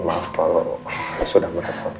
maaf kalau sudah menekankan